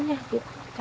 masih dicari tim sarma